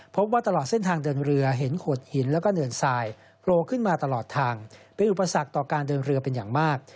พบว่าตลอดเส้นทางเดินเรือเห็นโขดหินแล้วก็เนินทรายโผล่ขึ้นมาตลอดทางเป็นอุปสรรคต่อการเดินเรือเป็นอย่างมาก